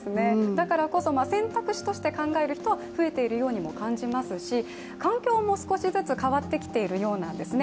だからこそ選択肢として考える人は増えているように感じますし環境も少しずつ変わってきているようなんですね。